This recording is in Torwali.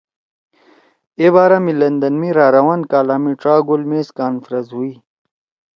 اے بارے می لندن می رارَوان کالا می ڇا گول میز کانفرنس ہُوئی